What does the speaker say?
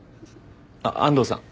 あっ安藤さん